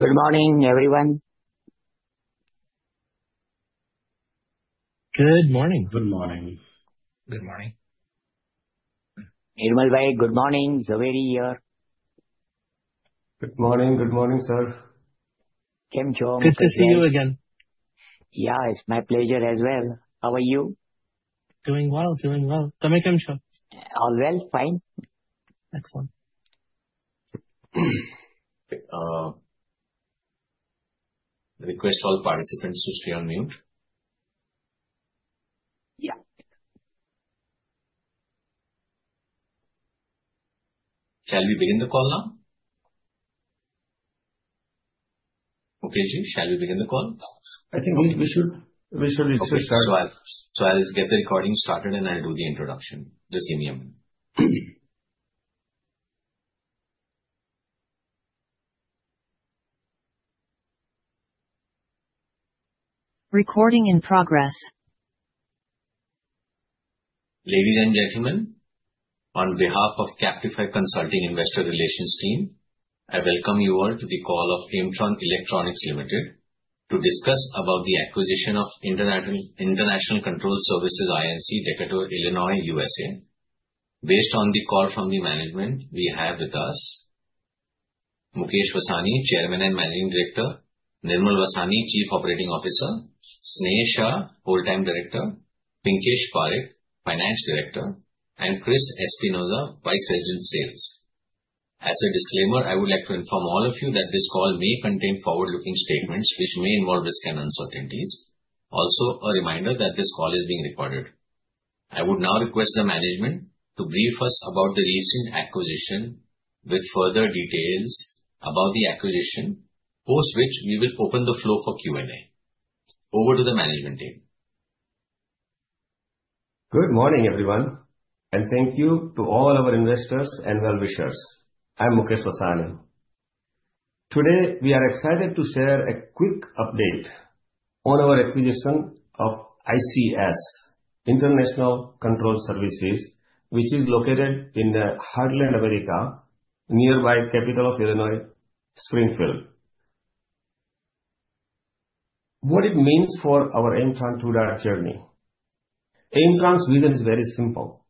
Good morning, everyone. Good morning. Good morning. Good morning. Nirmal, good morning. Zaveri here. Good morning. Good morning, sir. Kim Chung. Good to see you again. Yeah, it's my pleasure as well. How are you? Doing well. Tameka. I'm sure. All well. Fine. Excellent. Request all participants to stay on mute. Yeah. Shall we begin the call now? Okay, G, shall we begin the call? I think we should. Okay. I'll just get the recording started. I'll do the introduction. Just give me a minute. Recording in progress. Ladies and gentlemen, on behalf of Capify Consulting Investor Relations team, I welcome you all to the call of Aimtron Electronics Limited, to discuss about the acquisition of International Control Services, Inc., Decatur, Illinois, U.S.A. Based on the call from the management we have with us Mukesh Vasani, Chairman and Managing Director, Nirmal Vasani, Chief Operating Officer, Sneh Shah, Whole-Time Director, Pinkesh Parekh, Finance Director, and Chris Espinoza, Vice President, Sales. As a disclaimer, I would like to inform all of you that this call may contain forward-looking statements which may involve risks and uncertainties. Also, a reminder that this call is being recorded. I would now request the management to brief us about the recent acquisition with further details about the acquisition, post which we will open the floor for Q&A. Over to the management team. Good morning, everyone. Thank you to all our investors and well-wishers. I'm Mukesh Vasani. Today, we are excited to share a quick update on our acquisition of ICS, International Control Services, which is located in the heartland U.S.A., nearby capital of Illinois, Springfield. What it means for our Aimtron journey. Aimtron's vision is very simple,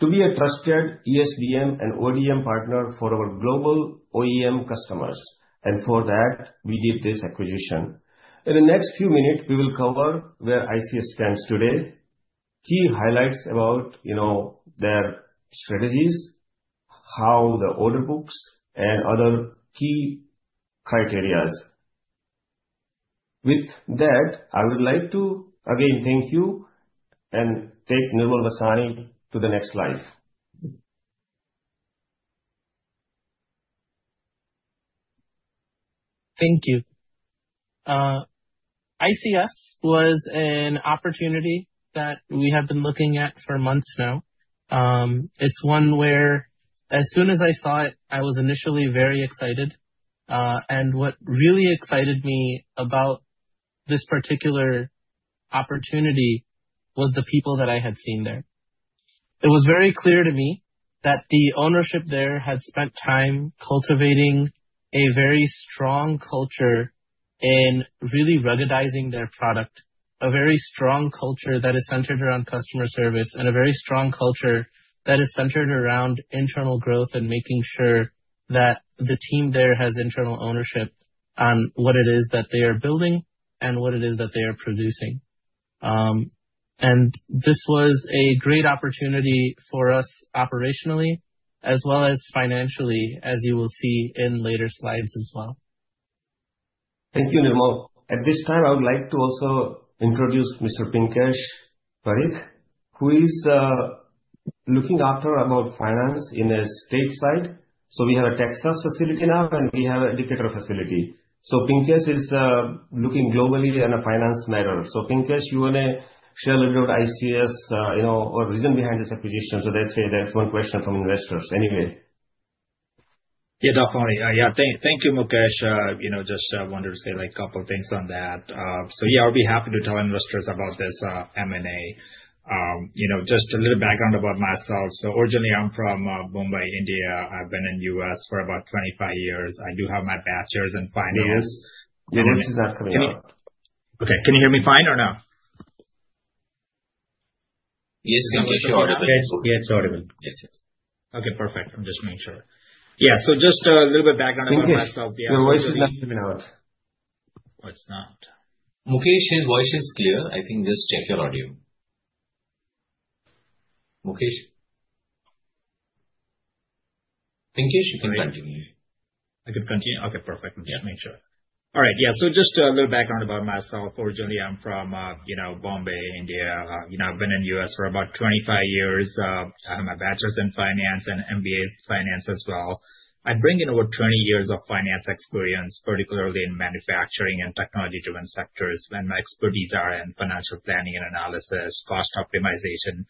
to be a trusted ESDM and ODM partner for our global OEM customers. For that, we did this acquisition. In the next few minutes, we will cover where ICS stands today, key highlights about their strategies, how the order books and other key criteria. With that, I would like to again thank you and take Nirmal Vasani to the next slide. Thank you. ICS was an opportunity that we have been looking at for months now. It's one where as soon as I saw it, I was initially very excited. What really excited me about this particular opportunity was the people that I had seen there. It was very clear to me that the ownership there had spent time cultivating a very strong culture in really ruggedizing their product. A very strong culture that is centered around customer service, and a very strong culture that is centered around internal growth and making sure that the team there has internal ownership on what it is that they are building and what it is that they are producing. This was a great opportunity for us operationally as well as financially, as you will see in later slides as well. Thank you, Nirmal. At this time, I would like to also introduce Mr. Pinkesh Parekh, who is looking after our finance in a state site. We have a Texas facility now, and we have a Decatur facility. Pinkesh is looking globally in a finance matter. Pinkesh, you want to share a little bit about ICS or reason behind this acquisition? Let's say that one question from investors. Yeah, definitely. Thank you, Mukesh. Just wanted to say a couple of things on that. Yeah, I'll be happy to tell investors about this M&A. Just a little background about myself. Originally I'm from Bombay, India. I've been in U.S. for about 25 years. I do have my bachelor's in finance. Yes. We can hear you. Okay. Can you hear me fine or no? Yes. Yeah, it's audible. Okay, perfect. I'm just making sure. Just a little bit background about myself. Your voice is not coming out. Oh, it's not. Mukesh, his voice is clear. I think just check your audio. Mukesh. Pinkesh, you can continue. I can continue. Okay, perfect. Just making sure. All right. Yeah, so just a little background about myself. Originally, I'm from Bombay, India. I've been in U.S. for about 25 years. I have my bachelor's in finance and MBA in finance as well. My expertise are in financial planning and analysis, cost optimization, and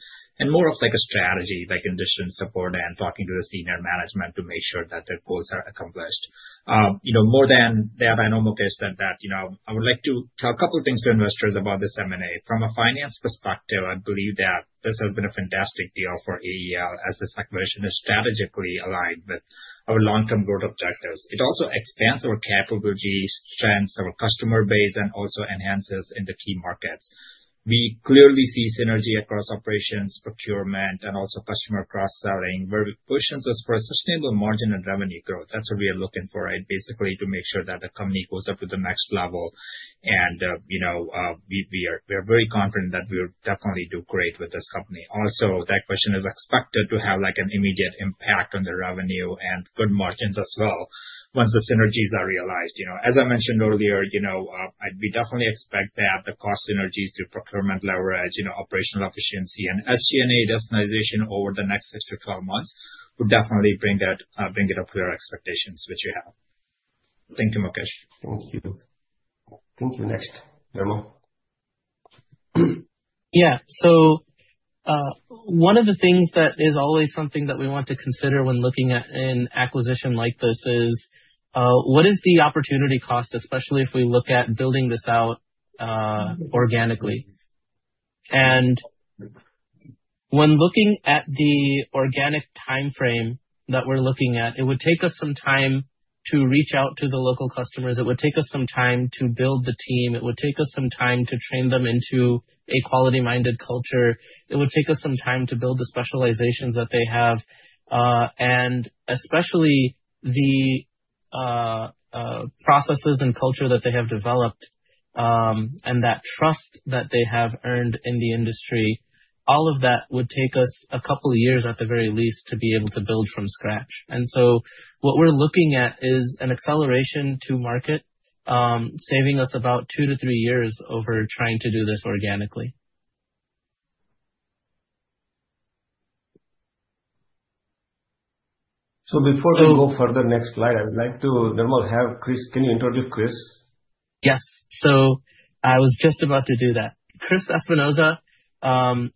more of a strategy, like industry support and talking to the senior management to make sure that their goals are accomplished. More than that, I know Mukesh said that. I would like to tell a couple of things to investors about this M&A. From a finance perspective, I believe that this has been a fantastic deal for AEL as this acquisition is strategically aligned with our long-term growth objectives. It also expands our capabilities, strengths, our customer base, and also enhances in the key markets. We clearly see synergy across operations, procurement, and also customer cross-selling, where it pushes us for a sustainable margin and revenue growth. That's what we are looking for, basically to make sure that the company goes up to the next level. We are very confident that we will definitely do great with this company. Also, that question is expected to have an immediate impact on the revenue and good margins as well once the synergies are realized. As I mentioned earlier, we definitely expect to have the cost synergies through procurement leverage, operational efficiency, and SG&A desk realization over the next six to 12 months, would definitely bring it up to your expectations, which you have. Thank you, Mukesh. Thank you. Thank you. Next, Nirmal. Yeah. One of the things that is always something that we want to consider when looking at an acquisition like this is, what is the opportunity cost, especially if we look at building this out organically. When looking at the organic timeframe that we're looking at, it would take us some time to reach out to the local customers. It would take us some time to build the team. It would take us some time to train them into a quality-minded culture. It would take us some time to build the specializations that they have. Especially the processes and culture that they have developed, and that trust that they have earned in the industry, all of that would take us a couple of years, at the very least, to be able to build from scratch. What we're looking at is an acceleration to market, saving us about two to three years over trying to do this organically. Before we go further, next slide, I would like to, Nirmal, have Chris. Can you introduce Chris? I was just about to do that. Chris Espinoza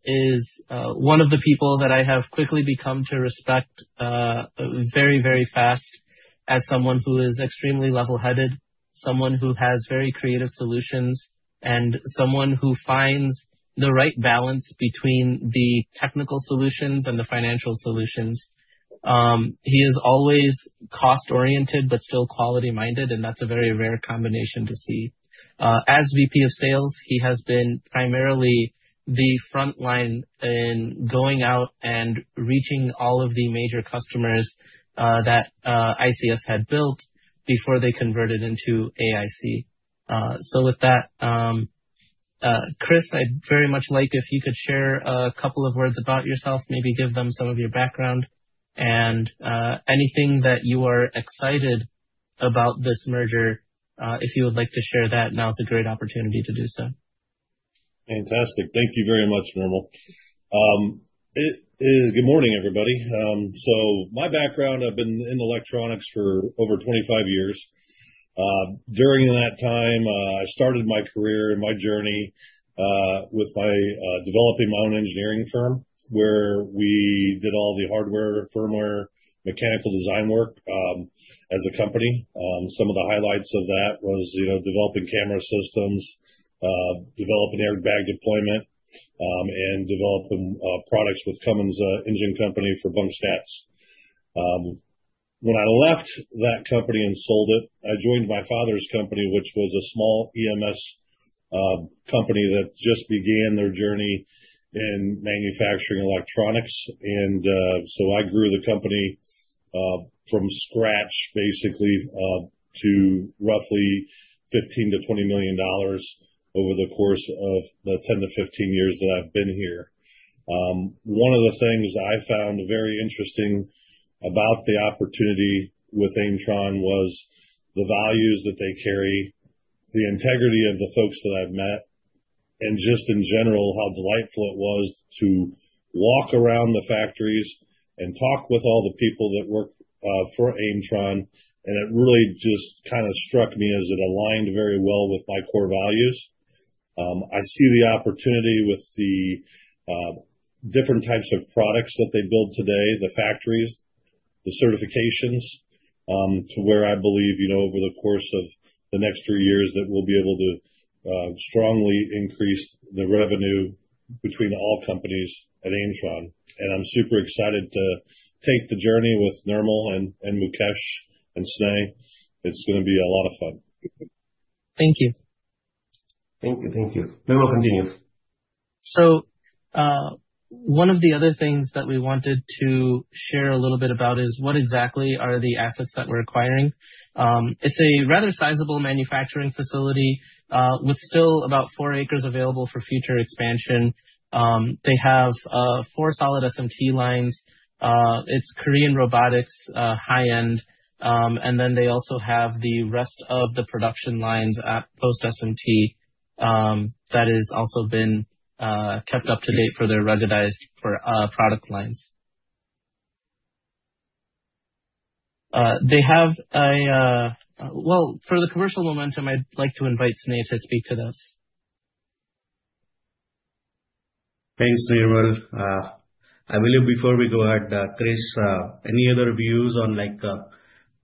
is one of the people that I have quickly become to respect very, very fast as someone who is extremely level-headed, someone who has very creative solutions, and someone who finds the right balance between the technical solutions and the financial solutions. He is always cost-oriented but still quality-minded, and that's a very rare combination to see. As VP of Sales, he has been primarily the frontline in going out and reaching all of the major customers that ICS had built before they converted into AIC. With that, Chris, I'd very much like if you could share a couple of words about yourself, maybe give them some of your background and anything that you are excited about this merger, if you would like to share that, now is a great opportunity to do so. Fantastic. Thank you very much, Nirmal. Good morning, everybody. My background, I've been in electronics for over 25 years. During that time, I started my career and my journey with developing my own engineering firm, where we did all the hardware, firmware, mechanical design work, as a company. Some of the highlights of that was developing camera systems, developing airbag deployment, and developing products with Cummins Engine Company for bunk stats. When I left that company and sold it, I joined my father's company, which was a small EMS company that just began their journey in manufacturing electronics. I grew the company, from scratch, basically, to roughly $15 million-$20 million over the course of the 10-15 years that I've been here. One of the things I found very interesting about the opportunity with Aimtron was the values that they carry, the integrity of the folks that I've met, and just in general, how delightful it was to walk around the factories and talk with all the people that work for Aimtron. It really just kind of struck me as it aligned very well with my core values. I see the opportunity with the different types of products that they build today, the factories, the certifications, to where I believe, over the course of the next 3 years, that we'll be able to strongly increase the revenue between all companies at Aimtron. I'm super excited to take the journey with Nirmal and Mukesh and Sneh. It's going to be a lot of fun. Thank you. Thank you. Nirmal, continue. One of the other things that we wanted to share a little bit about is what exactly are the assets that we're acquiring. It's a rather sizable manufacturing facility, with still about four acres available for future expansion. They have four solid SMT lines. It's Korean robotics, high-end. They also have the rest of the production lines at post SMT that has also been kept up to date for their ruggedized product lines. For the commercial momentum, I'd like to invite Sneh to speak to this. Thanks, Nirmal. I believe before we go ahead, Chris, any other views on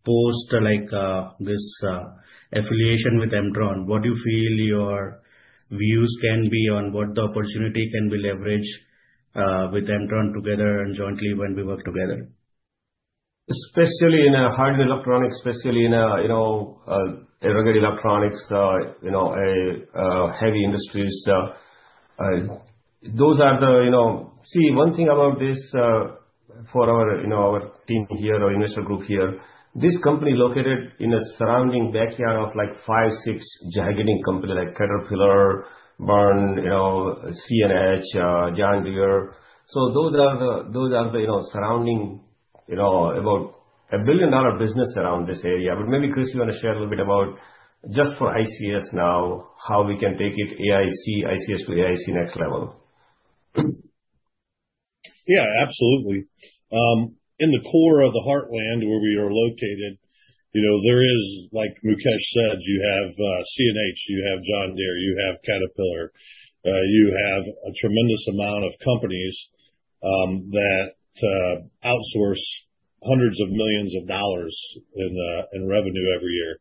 post this affiliation with Aimtron, what do you feel your views can be on what the opportunity can be leveraged, with Aimtron together and jointly when we work together? Especially in hardware electronics, especially in rugged electronics, a heavy industries. See, one thing about this, For our team here, our investor group here. This company located in a surrounding backyard of five, six gigantic company like Caterpillar, Burns, CNH, John Deere. Those are the surrounding about a billion-dollar business around this area. Maybe, Chris, you want to share a little bit about just for ICS now, how we can take it AIC, ICS to AIC next level. Yeah, absolutely. In the core of the Heartland where we are located, there is, like Mukesh said, you have CNH, you have John Deere, you have Caterpillar. You have a tremendous amount of companies that outsource hundreds of millions of USD in revenue every year.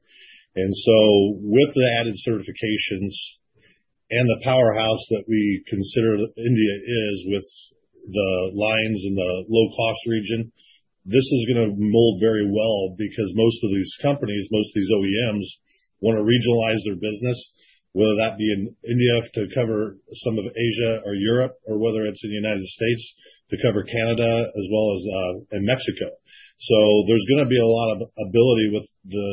With the added certifications and the powerhouse that we consider India is with the lines and the low-cost region, this is going to mold very well because most of these companies, most of these OEMs, want to regionalize their business, whether that be in India to cover some of Asia or Europe, or whether it's in the U.S. to cover Canada as well as in Mexico. There's going to be a lot of ability with the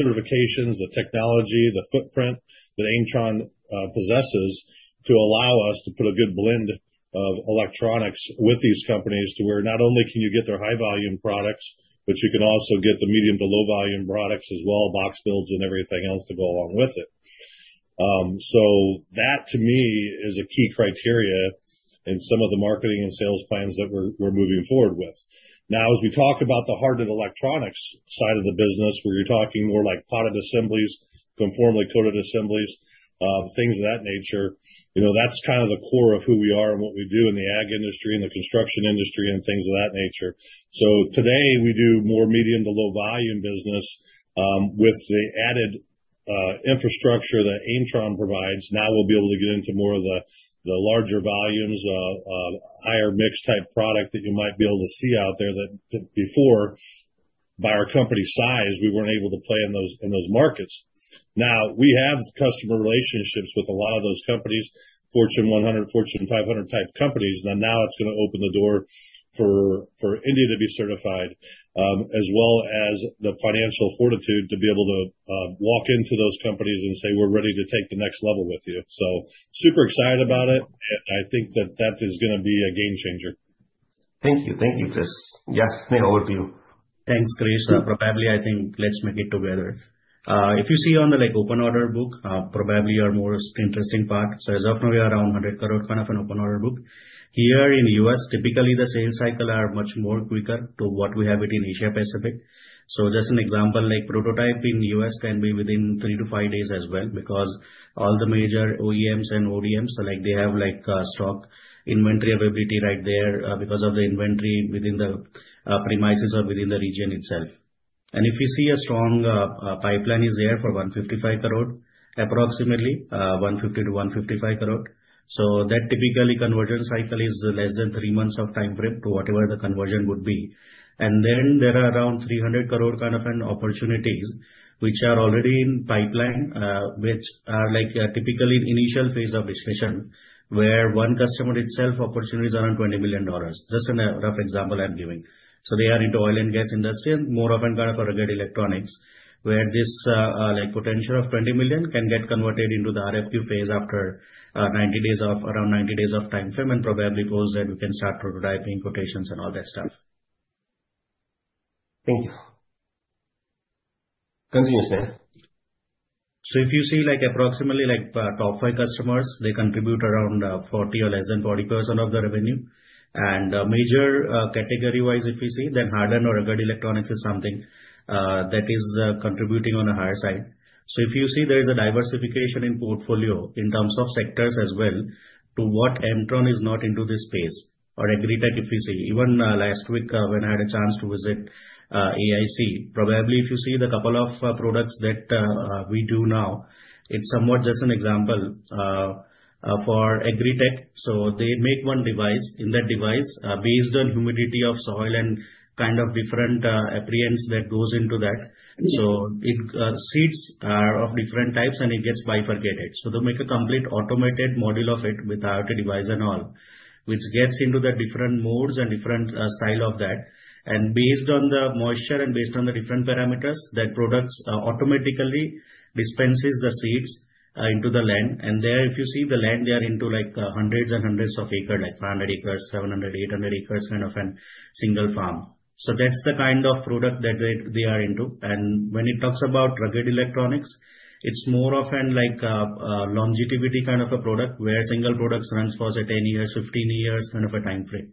certifications, the technology, the footprint that Aimtron possesses to allow us to put a good blend of electronics with these companies to where not only can you get their high volume products, but you can also get the medium to low volume products as well, box builds and everything else to go along with it. That, to me, is a key criteria in some of the marketing and sales plans that we're moving forward with. As we talk about the hardened electronics side of the business, where you're talking more like potted assemblies, conformally coated assemblies, things of that nature, that's kind of the core of who we are and what we do in the ag industry and the construction industry and things of that nature. Today, we do more medium to low volume business. With the added infrastructure that Aimtron provides, now we'll be able to get into more of the larger volumes of higher mix type product that you might be able to see out there that before, by our company size, we weren't able to play in those markets. We have customer relationships with a lot of those companies, Fortune 100, Fortune 500 type companies. Now it's going to open the door for India to be certified, as well as the financial fortitude to be able to walk into those companies and say, "We're ready to take the next level with you." Super excited about it. I think that that is going to be a game changer. Thank you. Thank you, Chris. Yes, Nikhil, over to you. Thanks, Krishna. Let's make it together. On the open order book, our most interesting part. As of now, we are around 100 crore kind of an open order book. Here in U.S., typically, the sales cycle are much more quicker to what we have it in Asia Pacific. Just an example, like prototype in the U.S. can be within three to five days as well because all the major OEMs and ODMs, they have stock inventory availability right there because of the inventory within the premises or within the region itself. A strong pipeline is there for 155 crore, approximately 150-155 crore. That typically conversion cycle is less than three months of time frame to whatever the conversion would be. There are around 300 crore kind of an opportunities which are already in pipeline, which are typically in initial phase of discussion, where one customer itself opportunities around $20 million. Just a rough example I'm giving. They are into oil and gas industry and more of in kind of rugged electronics, where this potential of $20 million can get converted into the RFQ phase after around 90 days of time frame, and probably post that we can start prototyping quotations and all that stuff. Thank you. Continue, sir. Approximately top five customers, they contribute around 40% or less than 40% of the revenue. Major category-wise, hardened or rugged electronics is something that is contributing on a higher side. There is a diversification in portfolio in terms of sectors as well to what Aimtron is not into this space or Agritech. Even last week when I had a chance to visit AIC, the couple of products that we do now, it's somewhat just an example for Agritech. They make one device. In that device, based on humidity of soil and kind of different apprehensions that goes into that. Seeds are of different types, and it gets bifurcated. They make a complete automated module of it with IoT device and all, which gets into the different modes and different style of that. Based on the moisture and based on the different parameters, that products automatically dispenses the seeds into the land. There, if you see the land, they are into hundreds and hundreds of acre, like 500 acres, 700 acres, 800 acres kind of an single farm. That's the kind of product that they are into. When it talks about rugged electronics, it's more of a longevity kind of a product where a single product runs for 10 years, 15 years kind of a time frame.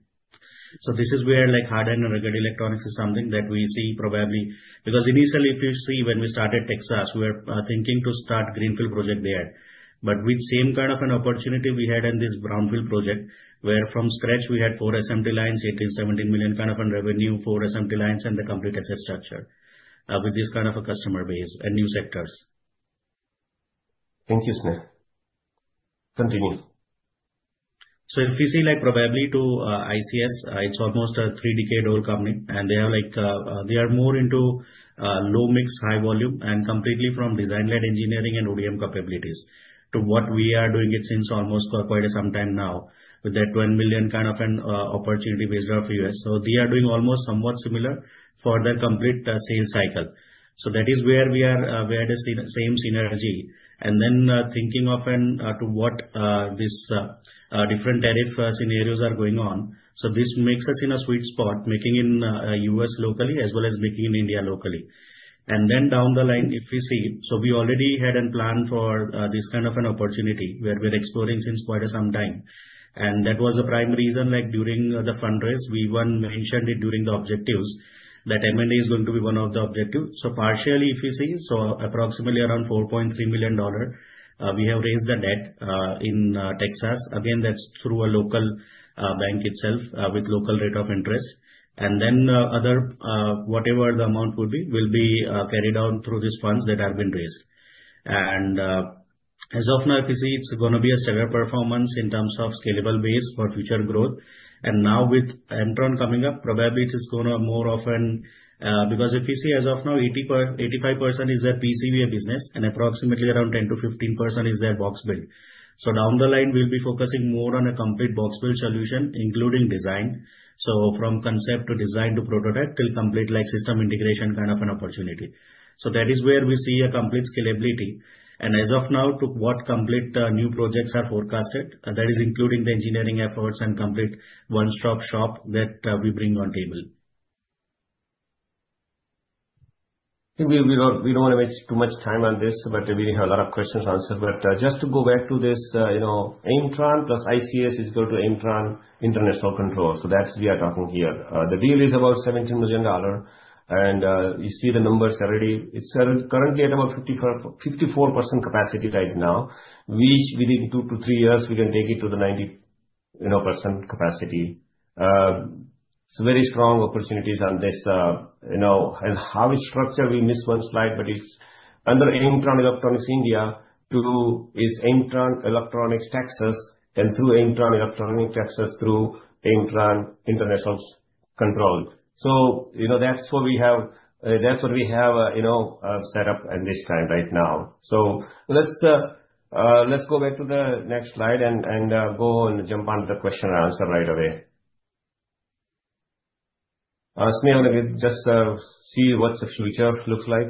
This is where hardened or rugged electronics is something that we see probably. Because initially, if you see when we started Texas, we were thinking to start greenfield project there. With same kind of an opportunity we had in this brownfield project, where from scratch we had four SMT lines, 18 million, 17 million kind of an revenue, four SMT lines, and the complete asset structure with this kind of a customer base and new sectors. Thank you, Sneh. Continue. If you see, probably to ICS, it's almost a three-decade-old company, and they are more into low mix, high volume, and completely from design-led engineering and ODM capabilities to what we are doing it since almost quite some time now. With that 1 million kind of an opportunity based off U.S. They are doing almost somewhat similar for the complete sales cycle. That is where we have the same synergy. Thinking often to what these different tariff scenarios are going on. This makes us in a sweet spot, making in U.S. locally as well as making in India locally. Down the line, if you see, we already had a plan for this kind of an opportunity where we're exploring since quite some time. That was a prime reason, like during the fundraise, we even mentioned it during the objectives, that M&A is going to be one of the objectives. Partially, if you see, approximately around $4.3 million, we have raised the debt in Texas. Again, that's through a local bank itself with local rate of interest. Then other, whatever the amount would be, will be carried out through these funds that have been raised. As of now, if you see, it's going to be a stellar performance in terms of scalable base for future growth. Now with Aimtron coming up, probably it is going to more often. Because if you see, as of now, 85% is a PCBA business and approximately around 10%-15% is their box build. Down the line, we'll be focusing more on a complete box build solution, including design. From concept to design to prototype, till complete system integration kind of an opportunity. That is where we see a complete scalability. As of now, to what complete new projects are forecasted, that is including the engineering efforts and complete one-stop shop that we bring on table. I think we don't want to waste too much time on this, we have a lot of questions to answer. Just to go back to this, Aimtron plus ICS is equal to Aimtron International Controls. That's we are talking here. The deal is about $17 million, and you see the numbers already. It's currently at about 54% capacity right now, which within two to three years, we can take it to the 90% capacity. It's very strong opportunities on this. How it's structured, we missed one slide, but it's under Aimtron Electronics Ltd., through its Aimtron Electronics LLC, and through Aimtron Electronics LLC, through Aimtron International Controls. That's what we have set up at this time right now. Let's go back to the next slide and go and jump on to the question and answer right away. Sneh, maybe just see what the future looks like.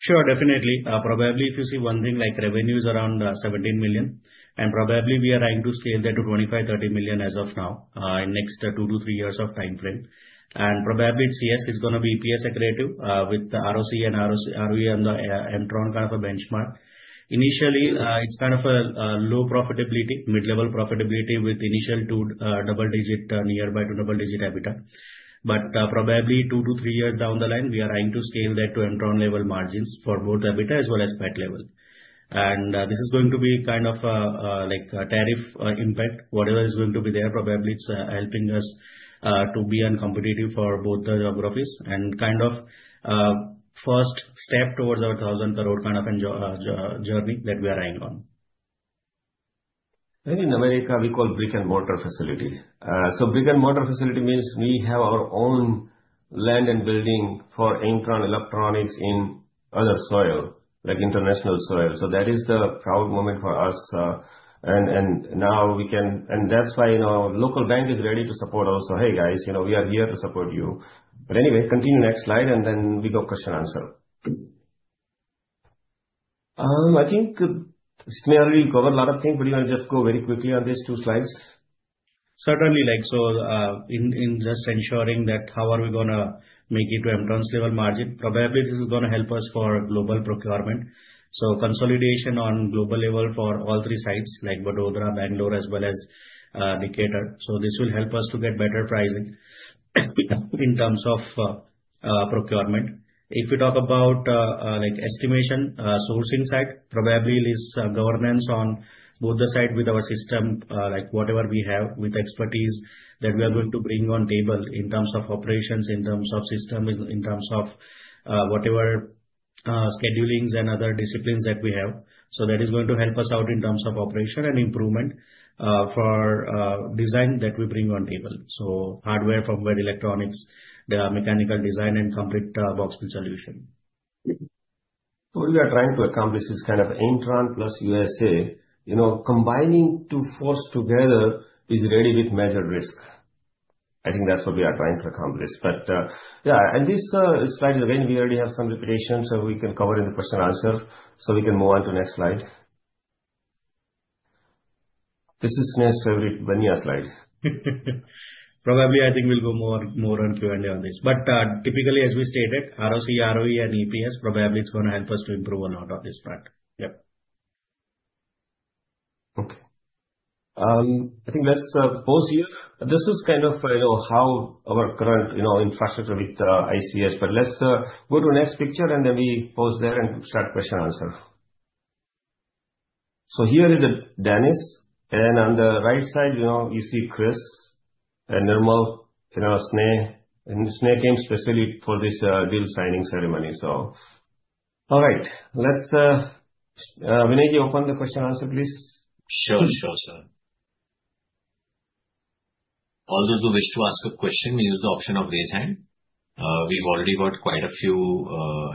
Sure, definitely. If you see one thing, revenue is around $17 million, we are trying to scale that to $25 million-$30 million as of now, in next 2-3 years of timeframe. It's, yes, it's going to be EPS accretive with the ROCE and ROE on the Aimtron kind of a benchmark. Initially, it's kind of a low profitability, mid-level profitability with initial 2 double-digit, nearby to double-digit EBITDA. 2-3 years down the line, we are trying to scale that to Aimtron level margins for both EBITDA as well as PAT level. This is going to be kind of a tariff impact, whatever is going to be there, probably it's helping us to be competitive for both the geographies and kind of first step towards our 1,000 crore kind of a journey that we are eyeing on. In America, we call brick-and-mortar facilities. Brick-and-mortar facility means we have our own land and building for Aimtron Electronics in other soil, like international soil. That is the proud moment for us. That's why now local bank is ready to support also. "Hey guys, we are here to support you." Anyway, continue next slide and then we go question and answer. I think, Sneha, we covered a lot of things, but you want to just go very quickly on these 2 slides? Certainly. In just ensuring that how are we going to make it to Aimtron's level margin, probably this is going to help us for global procurement. Consolidation on global level for all 3 sites, like Vadodara, Bangalore, as well as Decatur. This will help us to get better pricing in terms of procurement. If you talk about estimation, sourcing side, probably is governance on both the sides with our system, like whatever we have with expertise that we are going to bring on table in terms of operations, in terms of system, in terms of whatever schedulings and other disciplines that we have. That is going to help us out in terms of operation and improvement for design that we bring on table. Hardware, firmware, electronics, the mechanical design, and complete box build solution. What we are trying to accomplish is kind of Aimtron plus U.S.A. Combining 2 forces together is really with major risk. I think that's what we are trying to accomplish. Yeah. This slide, again, we already have some repetition, so we can cover in the question and answer. We can move on to the next slide. This is Sne's favorite Bania slide. Probably, I think we'll go more on Q&A on this. Typically, as we stated, ROCE, ROE, and EPS, probably it's going to help us to improve a lot on this front. Yep. Okay. I think let's pause here. This is kind of how our current infrastructure with ICS, but let's go to the next picture and then we pause there and start question and answer. Here is Dennis, on the right side you see Chris and Nirmal, Sneh. Sneh came specifically for this deal signing ceremony. All right. Let's, Vineet, open the question answer, please. Sure. All those who wish to ask a question may use the option of raise hand. We've already got quite a few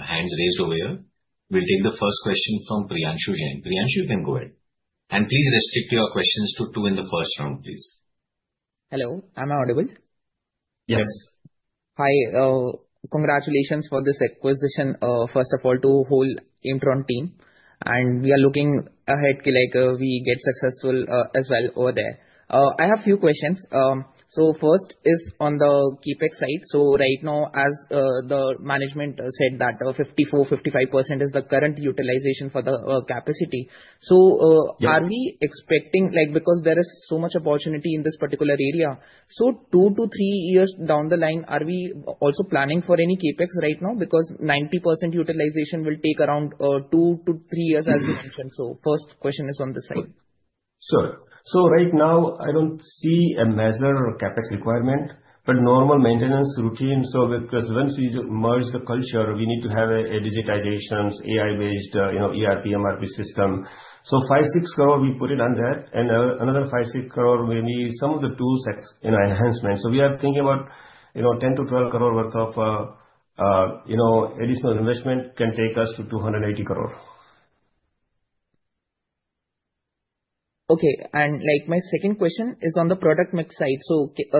hands raised over here. We'll take the first question from Priyanshu Jain. Priyanshu, you can go ahead. Please restrict your questions to two in the first round, please. Hello, am I audible? Yes. Yes. Hi. Congratulations for this acquisition, first of all, to whole Aimtron team. We are looking ahead, can we get successful as well over there. I have a few questions. First is on the CapEx side. Right now, as the management said that 54%, 55% is the current utilization for the capacity. Yeah are we expecting, because there is so much opportunity in this particular area. Two to 3 years down the line, are we also planning for any CapEx right now? Because 90% utilization will take around 2 to 3 years, as you mentioned. First question is on this side. Sure. Right now I don't see a major CapEx requirement, but normal maintenance routine. Because once we merge the culture, we need to have a digitization, AI-based ERP, MRP system. 5-6 crore, we put it on that and another 5-6 crore may need some of the tool sets enhancements. We are thinking about 10-12 crore worth of additional investment can take us to 280 crore. Okay. My second question is on the product mix side.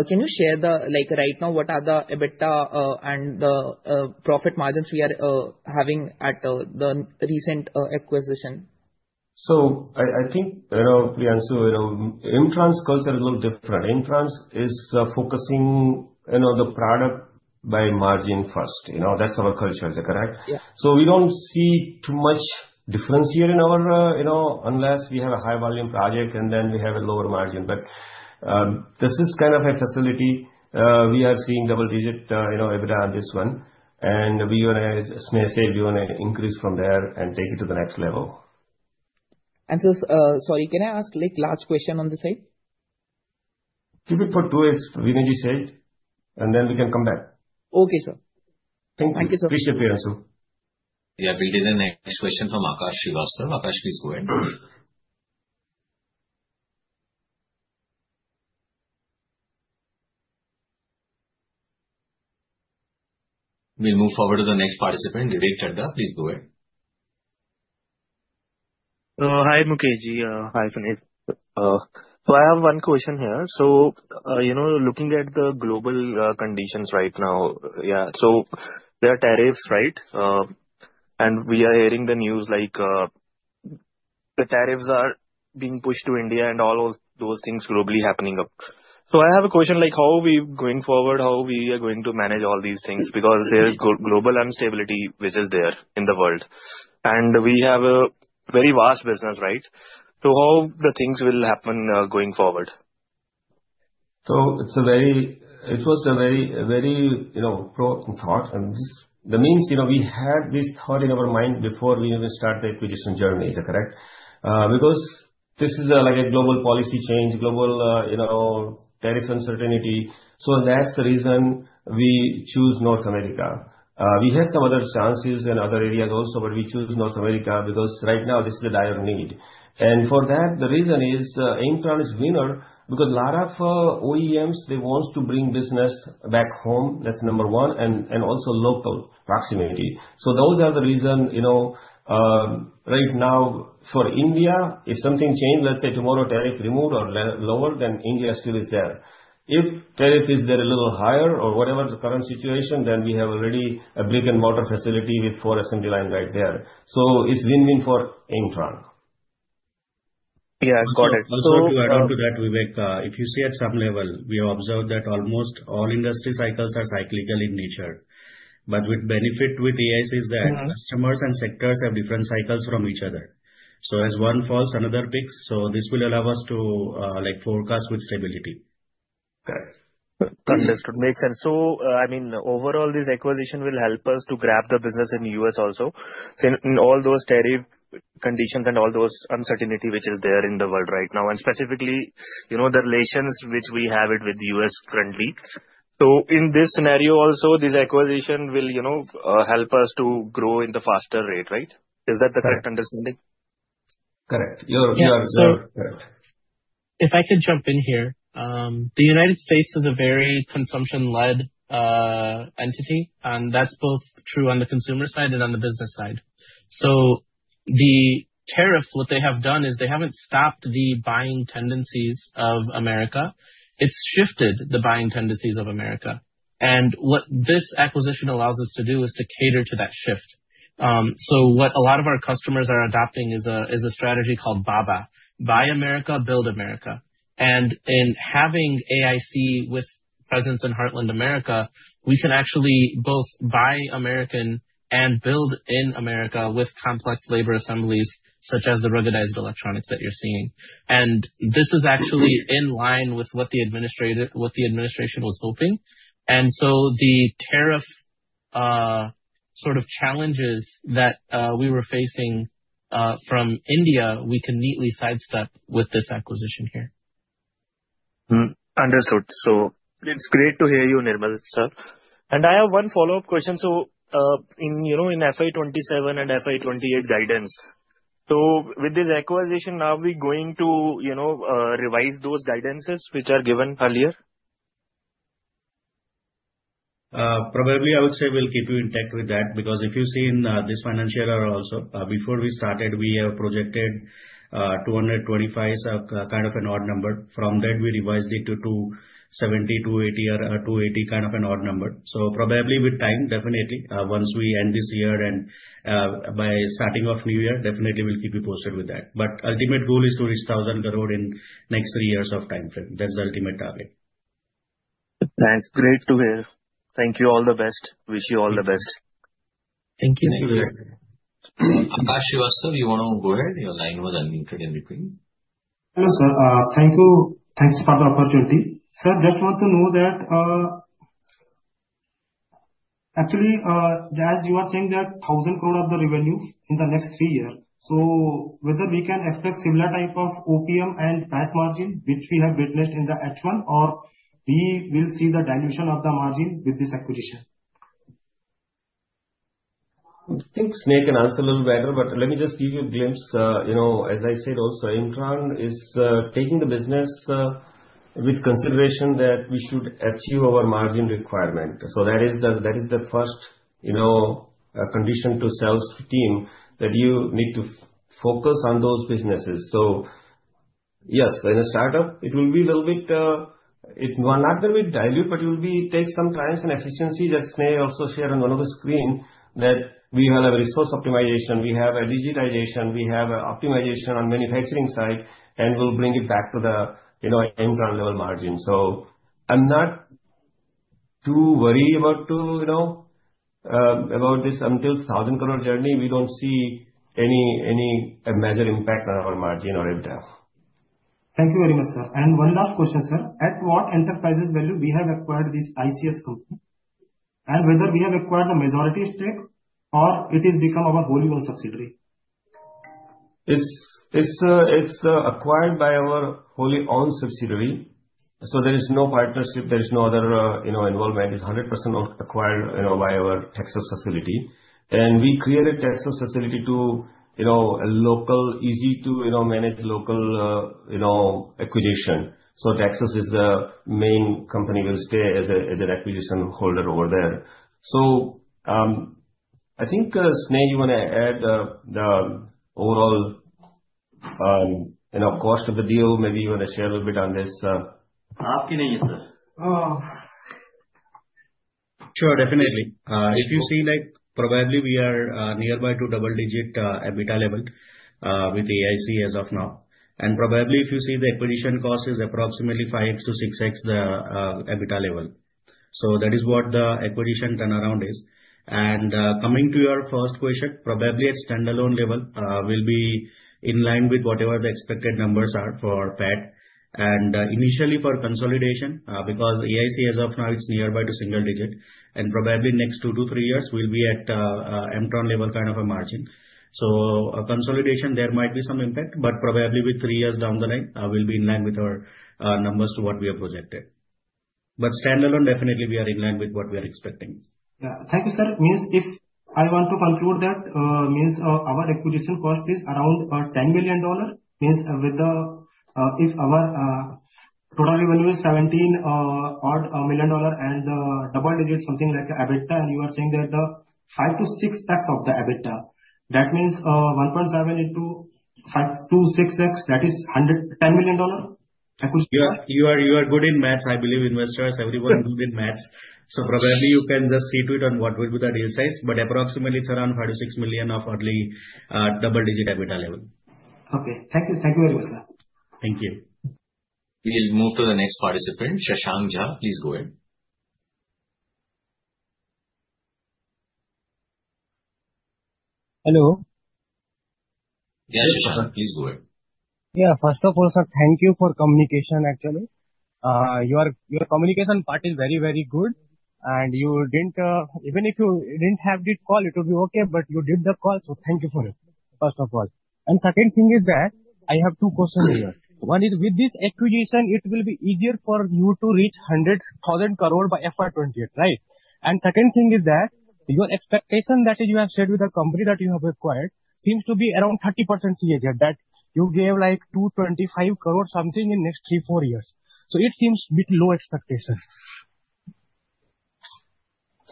Can you share, right now what are the EBITDA and the profit margins we are having at the recent acquisition? I think, Priyanshu, Aimtron's culture is a little different. Aimtron is focusing the product by margin first. That's our culture. Is that correct? Yeah. We don't see too much difference here, unless we have a high volume project and then we have a lower margin. This is kind of a facility. We are seeing double-digit EBITDA on this one. We want to, as Sneh said, we want to increase from there and take it to the next level. Sorry, can I ask last question on this side? Keep it for two, as Vineet said, we can come back. Okay, sir. Thank you. Thank you, sir. Appreciate, Priyanshu. Yeah. We'll take the next question from Akash Srivastava. Akash, please go ahead. We'll move forward to the next participant. Vivek Chadha, please go ahead. Hi, Mukeshji. Hi, Sneh. I have one question here. Looking at the global conditions right now. There are tariffs, right? We are hearing the news, the tariffs are being pushed to India and all those things globally happening up. I have a question, how are we going forward, how we are going to manage all these things? Because there's global instability which is there in the world, and we have a very vast business, right? How the things will happen, going forward? It was a very important thought. This means we had this thought in our mind before we even start the acquisition journey. Is that correct? Because this is like a global policy change, global tariff uncertainty. That's the reason we choose North America. We had some other chances in other areas also, but we choose North America because right now this is a dire need. For that, the reason is, Aimtron is winner because a lot of OEMs, they want to bring business back home, that's number 1, and also local proximity. Those are the reason, right now for India, if something change, let's say tomorrow tariff removed or lowered, then India still is there. If tariff is there a little higher or whatever the current situation, then we have already a brick-and-mortar facility with four assembly line right there. It's win-win for Aimtron. Yeah, got it. To add on to that, Vivek, if you see at some level, we have observed that almost all industry cycles are cyclical in nature. With benefit with ICS is that customers and sectors have different cycles from each other. As one falls, another picks. This will allow us to forecast with stability. Correct. Understood. Makes sense. I mean, overall, this acquisition will help us to grab the business in U.S. also. In all those tariff conditions and all those uncertainty which is there in the world right now, and specifically, the relations which we have it with the U.S. currently. In this scenario also, this acquisition will help us to grow in the faster rate, right? Is that the correct understanding? Correct. You have observed correct. If I could jump in here. The United States is a very consumption-led entity, and that's both true on the consumer side and on the business side. The tariffs, what they have done is they haven't stopped the buying tendencies of America. It's shifted the buying tendencies of America. What this acquisition allows us to do is to cater to that shift. What a lot of our customers are adopting is a strategy called BABA: Buy America, Build America. In having AIC with presence in Heartland America, we can actually both buy American and build in America with complex labor assemblies, such as the ruggedized electronics that you're seeing. This is actually in line with what the administration was hoping. The tariff - sort of challenges that we were facing from India, we can neatly sidestep with this acquisition here. Understood. It's great to hear you, Nirmal sir. I have one follow-up question. In FY 2027 and FY 2028 guidance. With this acquisition, are we going to revise those guidances which are given earlier? Probably, I would say we'll keep you intact with that, because if you see in this financial year also, before we started, we have projected 225 as kind of an odd number. From that, we revised it to 270, 280 or 280, kind of an odd number. Probably with time, definitely, once we end this year and by starting of new year, definitely we'll keep you posted with that. Ultimate goal is to reach 1,000 crore in next three years of timeframe. That's the ultimate target. Thanks. Great to hear. Thank you. All the best. Wish you all the best. Thank you. Thank you, sir. Akash Srivastava, you want to go ahead? Your line was unmuted in between. Hello, sir. Thank you. Thanks for the opportunity. Sir, just want to know that, actually, as you are saying that 1,000 crore of the revenues in the next three years, so whether we can expect similar type of OPM and PAT margin, which we have witnessed in the H1, or we will see the dilution of the margin with this acquisition? I think Sneh can answer a little better, but let me just give you a glimpse. As I said also, Aimtron is taking the business with consideration that we should achieve our margin requirement. That is the first condition to sales team that you need to focus on those businesses. Yes, in a startup, it will not be dilute, but it will take some time and efficiency that Sneh also share on one of the screen that we have a resource optimization, we have a digitization, we have a optimization on manufacturing side, and we'll bring it back to the Aimtron level margin. I am not too worried about this until 1,000 crore journey. We don't see any major impact on our margin or EBITDA. Thank you very much, sir. One last question, sir. At what enterprise value we have acquired this ICS company? Whether we have acquired a majority stake or it has become our wholly-owned subsidiary? It's acquired by our wholly-owned subsidiary. There is no partnership, there is no other involvement. It's 100% acquired by our Texas facility. We created Texas facility to a local, easy-to-manage local acquisition. Texas is the main company will stay as an acquisition holder over there. I think, Sneh, you want to add the overall cost of the deal? Maybe you want to share a little bit on this. Sure, definitely. If you see, probably we are nearby to double-digit EBITDA level, with AIC as of now. Probably if you see the acquisition cost is approximately 5x-6x the EBITDA level. That is what the acquisition turnaround is. Coming to your first question, probably a standalone level will be in line with whatever the expected numbers are for PAT. Initially for consolidation, because AIC as of now is nearby to single-digit, and probably next 2-3 years will be at Aimtron level kind of a margin. Consolidation, there might be some impact, but probably with three years down the line, we'll be in line with our numbers to what we have projected. But standalone, definitely we are in line with what we are expecting. Yeah. Thank you, sir. If I want to conclude that, our acquisition cost is around $10 million. If our total revenue is $17 odd million and double-digit, something like EBITDA, and you are saying that the 5-6x of the EBITDA. 1.7 into 5-6x, that is $110 million acquisition? You are good in math, I believe. Investors, everyone good in math. Probably you can just see to it on what will be the real size, but approximately it's around $5-6 million of hardly double-digit EBITDA level. Okay. Thank you. Thank you very much, sir. Thank you. We'll move to the next participant. Shashank Jha, please go ahead. Hello. Yeah, Shashank, please go ahead. Yeah. First of all, sir, thank you for communication, actually. Your communication part is very good. Even if you didn't have this call, it would be okay, but you did the call, so thank you for it, first of all. Second thing is that I have two questions here. One is, with this acquisition, it will be easier for you to reach 100,000 crore by FY 2028, right? Second thing is that your expectation that you have shared with the company that you have acquired seems to be around 30% CAGR that you gave like 225 crore something in next three, four years. It seems bit low expectation.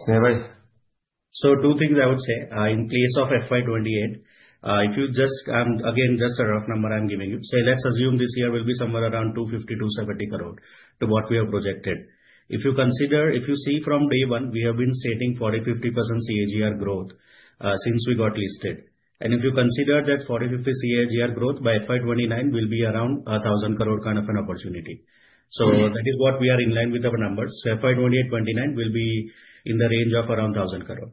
Sneh, buddy. Two things I would say. In case of FY 2028, again, just a rough number I am giving you. Let's assume this year will be somewhere around 250 crore-700 crore to what we have projected. If you see from day one, we have been stating 40%-50% CAGR growth since we got listed. If you consider that 40%, 50% CAGR growth by FY 2029 will be around an 1,000 crore kind of an opportunity. Okay. That is what we are in line with our numbers. FY 2028, FY 2029 will be in the range of around 1,000 crore.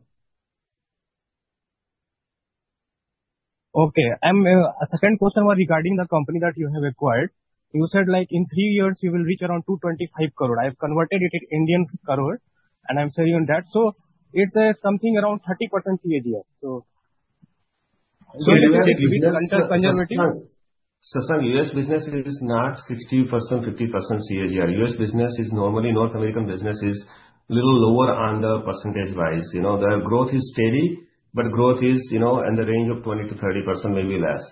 Okay. Second question was regarding the company that you have acquired. You said in three years you will reach around 225 crore. I have converted it in Indian crore and I am saying on that. It is something around 30% CAGR. Conservative. Shashank, U.S. business is not 60%, 50% CAGR. U.S. business is normally North American business is little lower on the percentage wise. The growth is steady, but growth is in the range of 20%-30%, maybe less.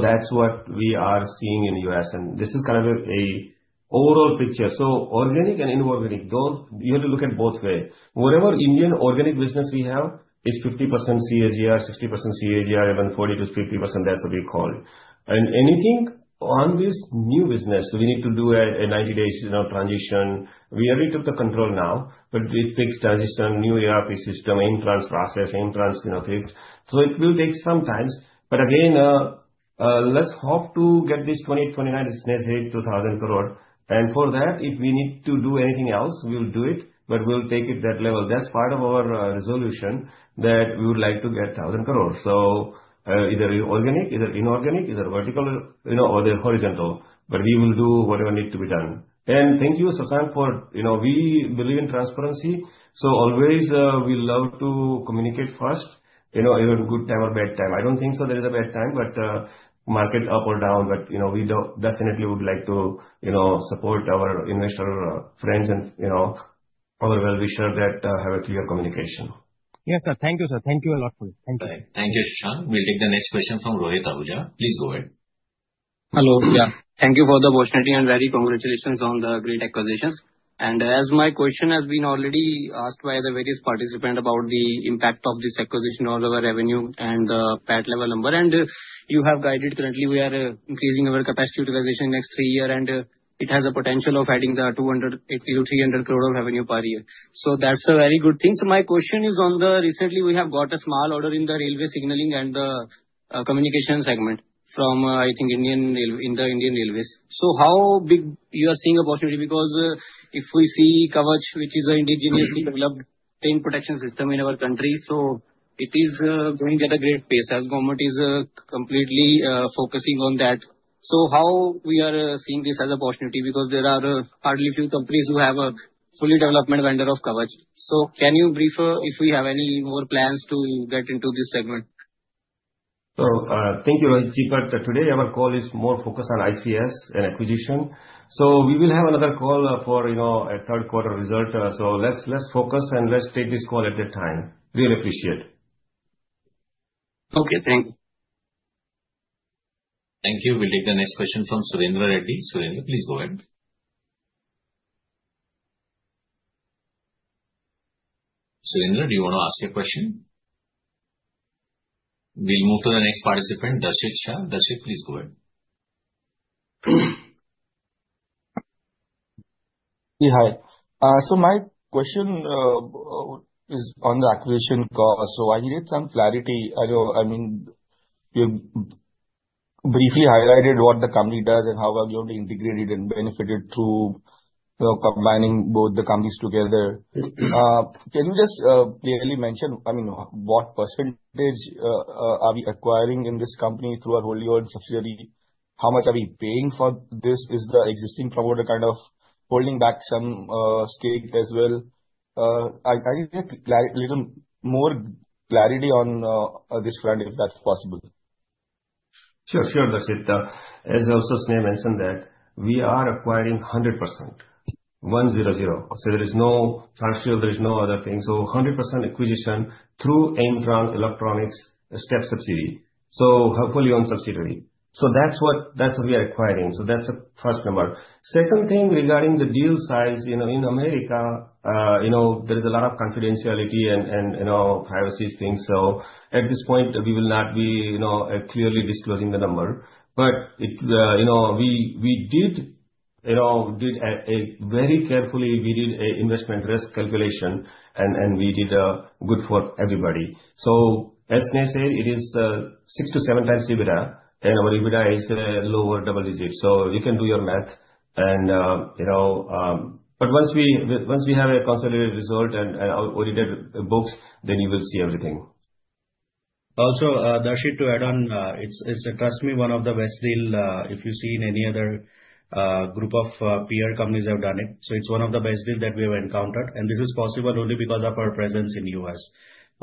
That is what we are seeing in U.S. and this is kind of an overall picture. Organic and inorganic, you have to look at both ways. Whatever Indian organic business we have is 50% CAGR, 60% CAGR, even 40%-50%, that is what we call it. Anything on this new business, we need to do a 90 days transition. We already took the control now, but it takes transition, new ERP system, Aimtron's process, Aimtron's feet. It will take some time. Again, let's hope to get this 2028, 2029 business to an 1,000 crore. For that, if we need to do anything else, we'll do it, but we'll take it that level. That's part of our resolution that we would like to get 1,000 crore. Either organic, either inorganic, either vertical or the horizontal, but we will do whatever need to be done. Thank you, Shashank, for, we believe in transparency, so always we love to communicate first, either good time or bad time. I don't think so there is a bad time, but market up or down, but we definitely would like to support our investor friends and all our well-wisher that have a clear communication. Yes, sir. Thank you, sir. Thank you a lot for it. Thank you. Thank you, Shashank. We'll take the next question from Rohit Ahuja. Please go ahead. Hello. Thank you for the opportunity and very congratulations on the great acquisitions. As my question has been already asked by the various participant about the impact of this acquisition on our revenue and the PAT level number, and you have guided currently, we are increasing our capacity utilization next three year and it has a potential of adding the 280 crore-300 crore of revenue per year. That's a very good thing. My question is on the, recently we have got a small order in the railway signaling and the communication segment from, I think, in the Indian railways. How big you are seeing a possibility? Because if we see Kavach, which is an indigenously developed train protection system in our country, it is growing at a great pace as government is completely focusing on that. How we are seeing this as an opportunity, because there are hardly few companies who have a fully development vendor of Kavach. Can you brief if we have any more plans to get into this segment? Thank you, Rohit. Today our call is more focused on ICS and acquisition. We will have another call for our third quarter result. Let's focus and let's take this call at a time. Really appreciate. Okay. Thank you. Thank you. We'll take the next question from Surendra Reddy. Surendra, please go ahead. Surendra, do you want to ask a question? We'll move to the next participant, Darshit Shah. Darshit, please go ahead. Hi. My question is on the acquisition cost. I need some clarity. I mean, you briefly highlighted what the company does and how are you going to integrate it and benefit it through combining both the companies together. Can you just clearly mention, what percentage are we acquiring in this company through our wholly-owned subsidiary? How much are we paying for this? Is the existing promoter kind of holding back some stake as well? I need a little more clarity on this front, if that's possible. Sure, Darshit. As also Sneh mentioned that we are acquiring 100%, 100. There is no fractional, there is no other thing. 100% acquisition through Aimtron Electronics, a step subsidiary, a fully-owned subsidiary. That's what we are acquiring. That's the first number. Second thing regarding the deal size, in America, there is a lot of confidentiality and privacy things. At this point, we will not be clearly disclosing the number. We did a very carefully, we did an investment risk calculation and we did good for everybody. As Sneh said, it is 6-7 times EBITDA and our EBITDA is lower double digit. You can do your math. Once we have a consolidated result and audited books, you will see everything. Also, Darshit, to add on, it's, trust me, one of the best deal, if you see in any other group of peer companies have done it. It's one of the best deal that we have encountered, and this is possible only because of our presence in the U.S.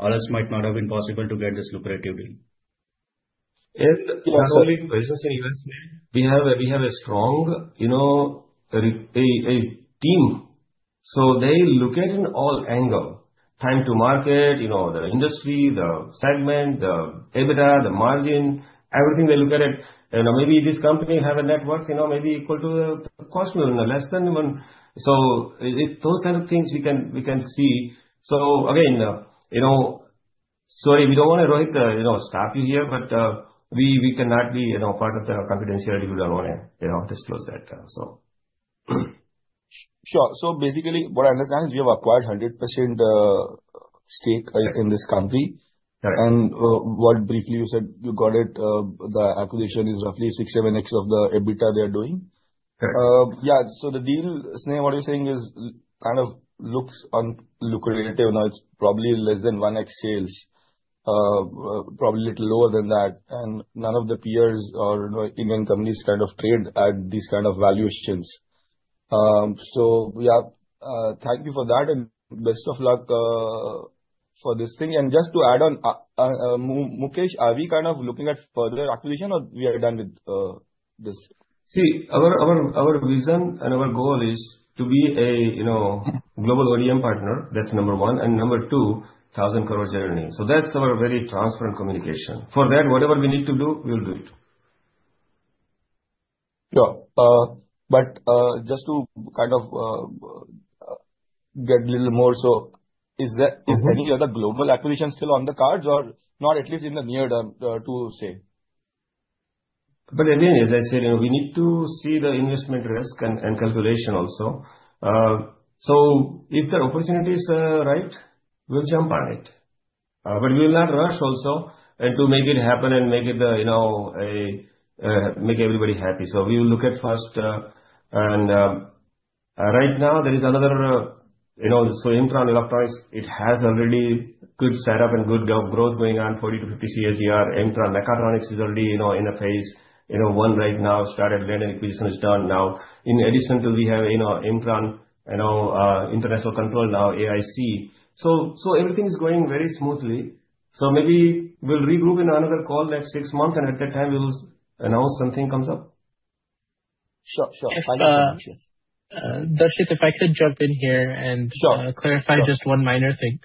Else might not have been possible to get this lucrative deal. Also the presence in the U.S., we have a strong team. They look at in all angle. Time to market, the industry, the segment, the EBITDA, the margin, everything they look at it. Maybe this company have a network maybe equal to the cost, or less than even. Those are the things we can see. Again, sorry, we don't want to stop you here, we cannot be part of the confidentiality rule and disclose that. Sure. Basically what I understand is you have acquired 100% stake in this company. Correct. What briefly you said you got it, the acquisition is roughly 6x-7x of the EBITDA they're doing? Yeah. The deal, Sneh, what you're saying is, kind of looks unlucrative now. It's probably less than 1x sales, probably a little lower than that. None of the peers or Indian companies kind of trade at these kind of valuations. Yeah, thank you for that and best of luck for this thing. Just to add on, Mukesh, are we kind of looking at further acquisition or we are done with this? See, our vision and our goal is to be a global OEM partner, that's number 1. Number 2, 1,000 crore journey. That's our very transparent communication. For that, whatever we need to do, we'll do it. Sure. Just to kind of get little more, so is there any other global acquisition still on the cards or not, at least in the near term, to say? Again, as I said, we need to see the investment risk and calculation also. If the opportunity is right, we'll jump on it. We will not rush also to make it happen and make everybody happy. We will look at first. Right now, there is another. Aimtron Electronics, it has already good setup and good growth going on, 40%-50% CAGR. Aimtron Mechatronics is already in a phase 1 right now, started when acquisition is done now. In addition to we have Aimtron International Control now, AIC. Everything is going very smoothly. Maybe we'll regroup in another call next 6 months, and at that time we'll announce something comes up. Sure. Darshit, if I could jump in here. Sure Clarify just one minor thing.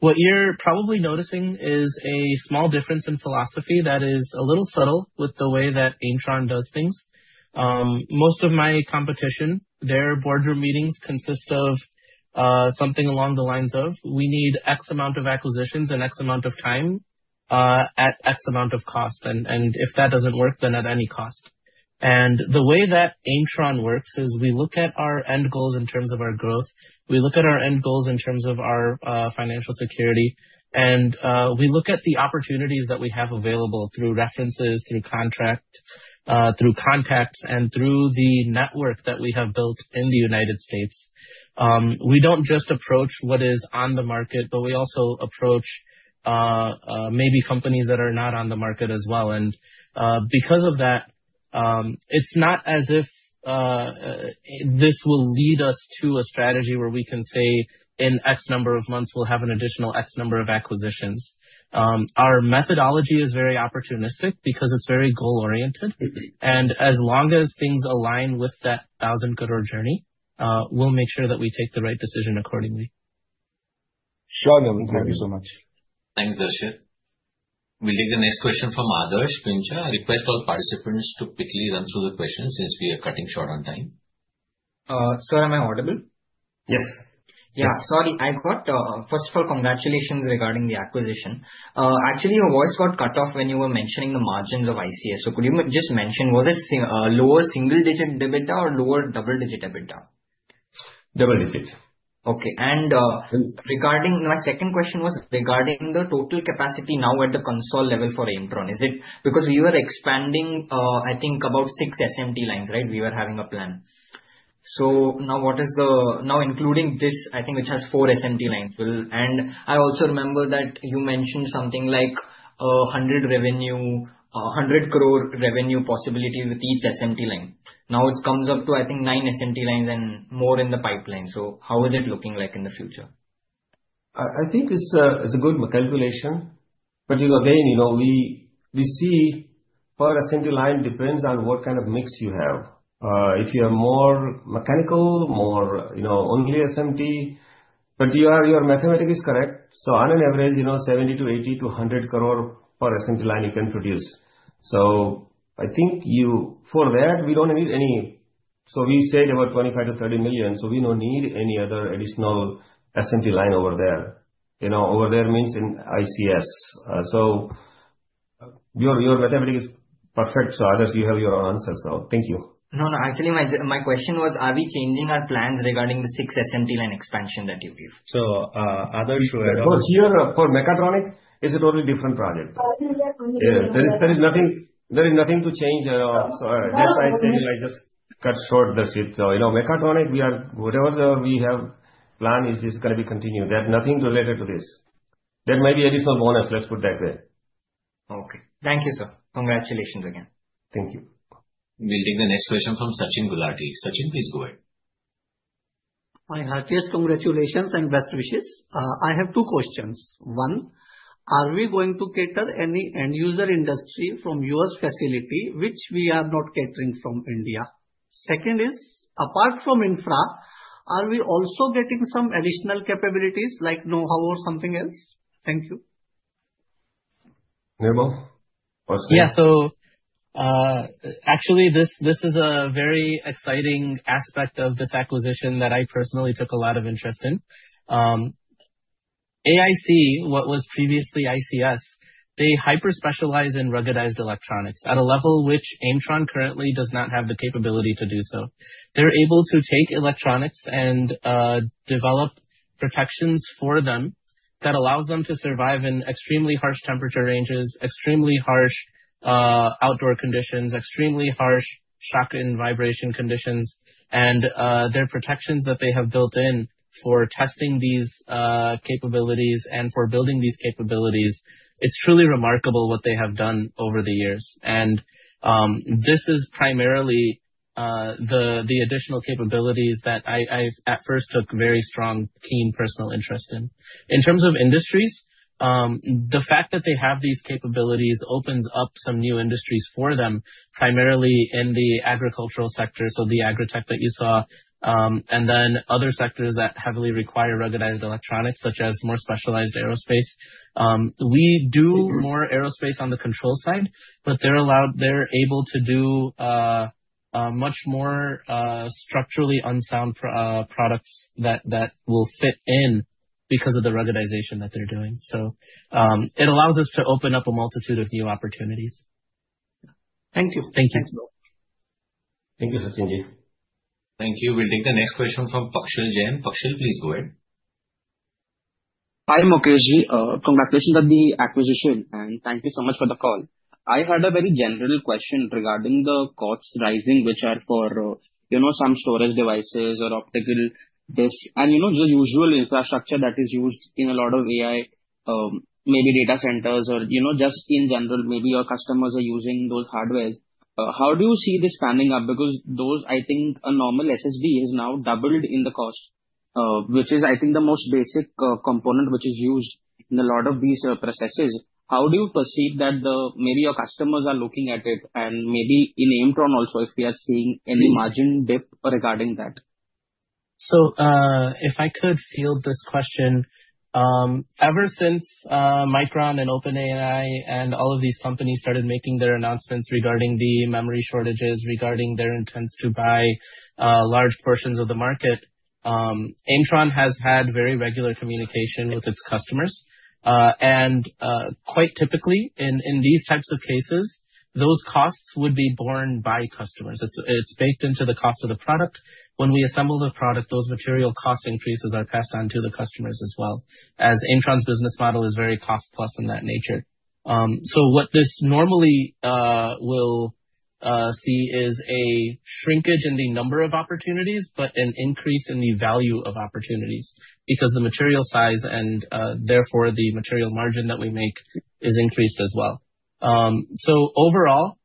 What you're probably noticing is a small difference in philosophy that is a little subtle with the way that Aimtron does things. Most of my competition, their boardroom meetings consist of something along the lines of, "We need X amount of acquisitions in X amount of time, at X amount of cost, and if that doesn't work, then at any cost." The way that Aimtron works is we look at our end goals in terms of our growth, we look at our end goals in terms of our financial security, and we look at the opportunities that we have available through references, through contract, through contacts, and through the network that we have built in the U.S. We don't just approach what is on the market, but we also approach maybe companies that are not on the market as well. Because of that, it's not as if this will lead us to a strategy where we can say, "In X number of months, we'll have an additional X number of acquisitions." Our methodology is very opportunistic because it's very goal-oriented. As long as things align with that 1,000 crore journey, we'll make sure that we take the right decision accordingly. Sure, Neville. Thank you so much. Thanks, Darshit. We'll take the next question from Adarsh Pinchha. A request for participants to quickly run through the questions since we are cutting short on time. Sir, am I audible? Yes. First of all, congratulations regarding the acquisition. Actually, your voice got cut off when you were mentioning the margins of ICS. Could you just mention, was it lower single-digit EBITDA or lower double-digit EBITDA? Double digit. Okay. My second question was regarding the total capacity now at the console level for Aimtron. Is it, because we were expanding, I think about six SMT lines, right? We were having a plan. Now including this, I think it has four SMT lines. I also remember that you mentioned something like a 100 crore revenue possibility with each SMT line. Now it comes up to, I think, nine SMT lines and more in the pipeline. How is it looking like in the future? I think it's a good calculation. Again, we see per SMT line depends on what kind of mix you have. If you are more mechanical, more only SMT, but your mathematics is correct. On an average, 70 crore to 80 crore to 100 crore per SMT line you can produce. We said about 25 million-30 million, so we don't need any other additional SMT line over there. Over there means in ICS. Your mathematics is perfect. Adarsh, you have your answer. Thank you. No, actually, my question was, are we changing our plans regarding the six SMT line expansion that you give? Adarsh, for mechatronics is a totally different project. There is nothing to change. Just I said I just cut short, that's it. Mechatronics, whatever we have planned, it's just going to be continued. They have nothing related to this. That might be additional bonus, let's put that way. Okay. Thank you, sir. Congratulations again. Thank you. We'll take the next question from Sachin Gulati. Sachin, please go ahead. My heartiest congratulations and best wishes. I have two questions. One, are we going to cater any end user industry from U.S. facility which we are not catering from India? Second is, apart from infra, are we also getting some additional capabilities like know-how or something else? Thank you. Nirbhaur, or Sneh? Yeah. Actually, this is a very exciting aspect of this acquisition that I personally took a lot of interest in. AIC, what was previously ICS, they hyper-specialize in ruggedized electronics at a level which Aimtron currently does not have the capability to do so. They're able to take electronics and develop protections for them that allows them to survive in extremely harsh temperature ranges, extremely harsh outdoor conditions, extremely harsh shock and vibration conditions, and their protections that they have built in for testing these capabilities and for building these capabilities. It's truly remarkable what they have done over the years. This is primarily the additional capabilities that I at first took very strong, keen personal interest in. In terms of industries, the fact that they have these capabilities opens up some new industries for them, primarily in the agricultural sector, so the Agritech that you saw, and then other sectors that heavily require ruggedized electronics, such as more specialized aerospace. We do more aerospace on the control side, but they're able to do much more structurally unsound products that will fit in because of the ruggedization that they're doing. It allows us to open up a multitude of new opportunities. Thank you. Thank you. Thanks a lot. Thank you, Satyanji. Thank you. We'll take the next question from Pakshal Jain. Pakshal, please go ahead. Hi, Mukesh. Congratulations on the acquisition, and thank you so much for the call. I had a very general question regarding the costs rising, which are for some storage devices or optical disks and the usual infrastructure that is used in a lot of AI, maybe data centers or just in general, maybe your customers are using those hardwares. How do you see this panning out? Those, I think a normal SSD is now doubled in the cost, which is, I think, the most basic component which is used in a lot of these processes. How do you perceive that maybe your customers are looking at it and maybe in Aimtron also, if we are seeing any margin dip regarding that? If I could field this question. Ever since Micron and OpenAI and all of these companies started making their announcements regarding the memory shortages, regarding their intents to buy large portions of the market, Aimtron has had very regular communication with its customers. Quite typically, in these types of cases, those costs would be borne by customers. It's baked into the cost of the product. When we assemble the product, those material cost increases are passed on to the customers as well, as Aimtron's business model is very cost-plus in that nature. What this normally we'll see is a shrinkage in the number of opportunities, but an increase in the value of opportunities because the material size and therefore the material margin that we make is increased as well. Overall,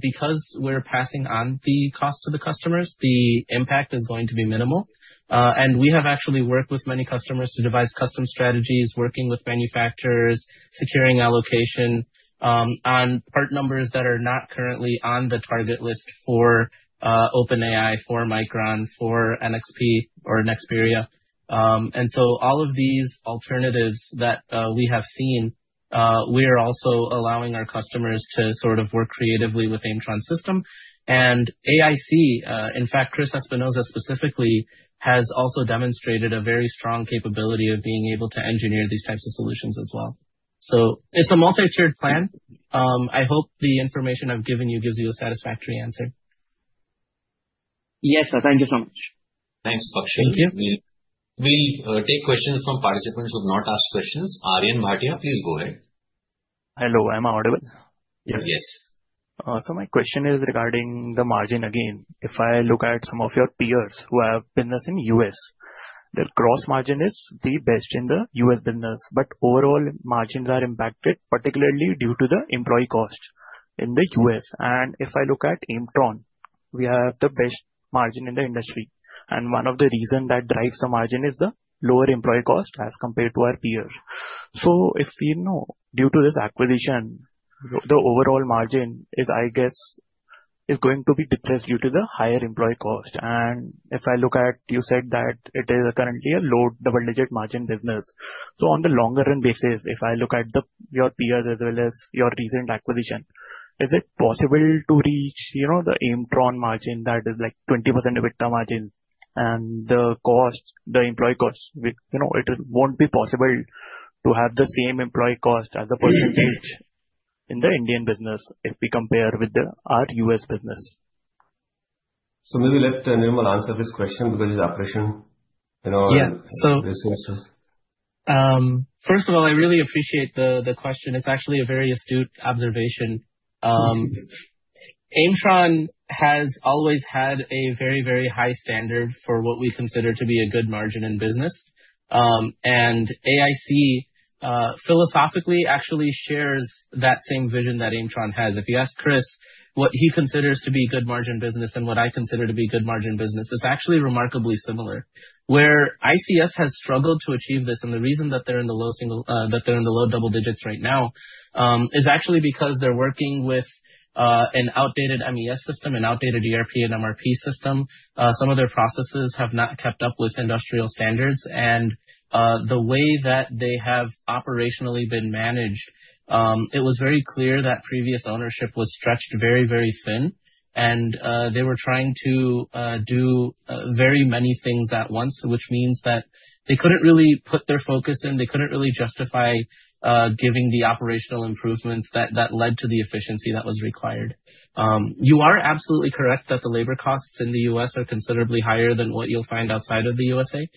because we're passing on the cost to the customers, the impact is going to be minimal. We have actually worked with many customers to devise custom strategies, working with manufacturers, securing allocation on part numbers that are not currently on the target list for OpenAI, for Micron Technology, for NXP Semiconductors or Nexperia. All of these alternatives that we have seen, we are also allowing our customers to sort of work creatively with Aimtron system. AIC, in fact, Chris Espinoza specifically, has also demonstrated a very strong capability of being able to engineer these types of solutions as well. It's a multi-tiered plan. I hope the information I've given you gives you a satisfactory answer. Yes, sir. Thank you so much. Thanks, Pakshal. Thank you. We'll take questions from participants who have not asked questions. Aryan Bhatia, please go ahead. Hello, am I audible? Yes. My question is regarding the margin again. If I look at some of your peers who have business in U.S., their gross margin is the best in the U.S. business, but overall margins are impacted, particularly due to the employee cost in the U.S. If I look at Aimtron, we have the best margin in the industry. One of the reason that drives the margin is the lower employee cost as compared to our peers. If we know due to this acquisition, the overall margin is, I guess, is going to be depressed due to the higher employee cost. If I look at, you said that it is currently a low double-digit margin business. On the longer run basis, if I look at your peers as well as your recent acquisition, is it possible to reach the Aimtron margin that is like 20% EBITDA margin? The employee cost, it won't be possible to have the same employee cost as a percentage in the Indian business if we compare with our U.S. business. Maybe let Nirmal answer this question because it's. Yeah. Resources. First of all, I really appreciate the question. It's actually a very astute observation. Thank you. Aimtron has always had a very high standard for what we consider to be a good margin in business. AIC philosophically actually shares that same vision that Aimtron has. If you ask Chris what he considers to be good margin business and what I consider to be good margin business, it's actually remarkably similar. Where ICS has struggled to achieve this, and the reason that they're in the low double digits right now, is actually because they're working with an outdated MES system, an outdated ERP and MRP system. Some of their processes have not kept up with industrial standards and the way that they have operationally been managed, it was very clear that previous ownership was stretched very thin, and they were trying to do very many things at once, which means that they couldn't really put their focus in, they couldn't really justify giving the operational improvements that led to the efficiency that was required. You are absolutely correct that the labor costs in the U.S. are considerably higher than what you'll find outside of the U.S.A.,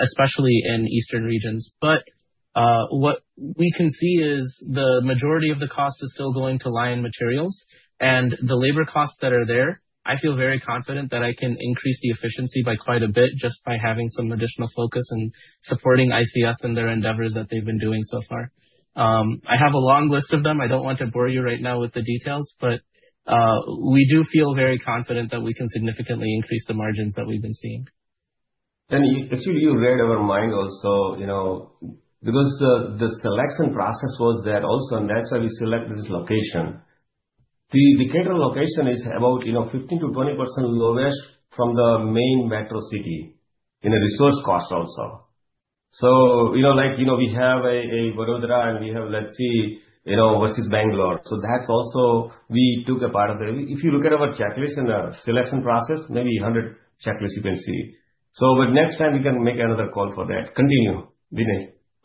especially in eastern regions. What we can see is the majority of the cost is still going to lie in materials and the labor costs that are there, I feel very confident that I can increase the efficiency by quite a bit just by having some additional focus in supporting ICS in their endeavors that they've been doing so far. I have a long list of them. I don't want to bore you right now with the details, we do feel very confident that we can significantly increase the margins that we've been seeing. Actually, you read our mind also, because the selection process was there also, that's why we selected this location. The Decatur location is about 15%-20% lowest from the main metro city in resource cost also. We have a Vadodara and we have, let's see, versus Bangalore. If you look at our checklist and the selection process, maybe 100 checklist you can see. Next time we can make another call for that. Continue,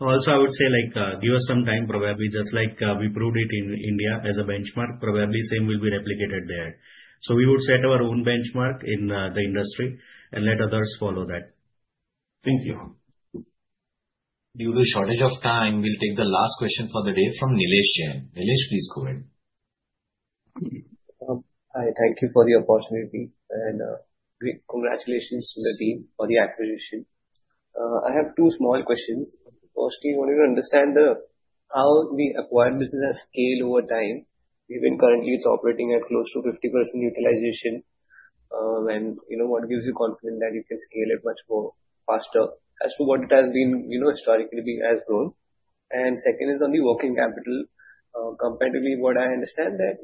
Vinay. I would say, give us some time, probably just like we proved it in India as a benchmark, probably same will be replicated there. We would set our own benchmark in the industry and let others follow that. Thank you. Due to shortage of time, we'll take the last question for the day from Nilesh Jain. Nilesh, please go ahead. Hi, thank you for the opportunity and great congratulations to the team for the acquisition. I have two small questions. Firstly, wanted to understand how the acquired business has scaled over time, given currently it's operating at close to 50% utilization. What gives you confidence that you can scale it much more faster as to what it has been historically being as grown? Second is on the working capital. Comparatively, what I understand that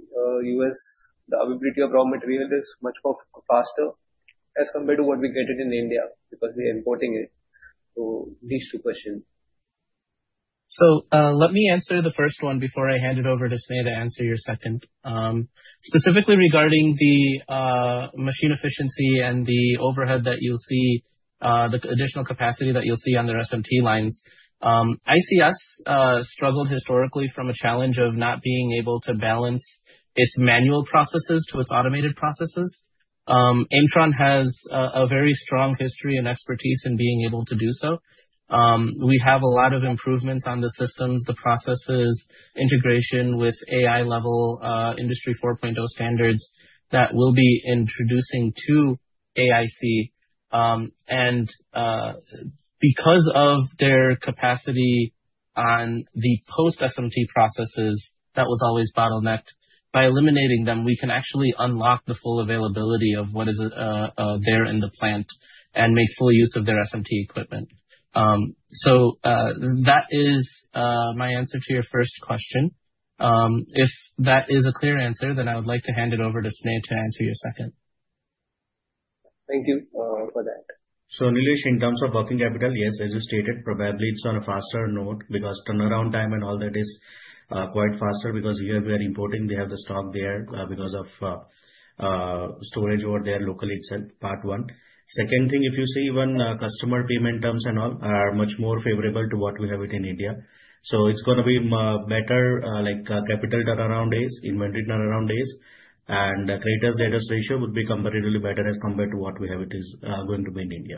U.S., the availability of raw material is much more faster as compared to what we get it in India, because we are importing it. These two questions. Let me answer the first one before I hand it over to Sneh to answer your second. Specifically regarding the machine efficiency and the additional capacity that you'll see on their SMT lines. ICS struggled historically from a challenge of not being able to balance its manual processes to its automated processes. Aimtron has a very strong history and expertise in being able to do so. We have a lot of improvements on the systems, the processes, integration with AI-level Industry 4.0 standards that we'll be introducing to ICS. Because of their capacity on the post SMT processes, that was always bottlenecked. By eliminating them, we can actually unlock the full availability of what is there in the plant and make full use of their SMT equipment. That is my answer to your first question. If that is a clear answer, I would like to hand it over to Sneh to answer your second. Thank you for that. Nilesh, in terms of working capital, yes, as you stated, probably it's on a faster note because turnaround time and all that is quite faster because here we are importing, we have the stock there because of storage over there locally itself, part one. Second thing, if you see even customer payment terms and all are much more favorable to what we have it in India. It's going to be better capital turnaround days, inventory turnaround days, and creditors-debtors ratio would be comparatively better as compared to what we have it is going to be in India.